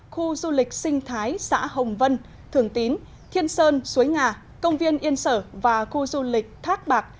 khu du lịch sinh thái xã hồng vân thường tín thiên sơn suối ngà công viên yên sở và khu du lịch thác bạc